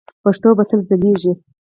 پښتو به تل ځلیږي.